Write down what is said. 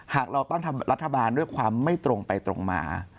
หากเราต้องทำรัฐบาลด้วยความไม่ตรงไปตรงมา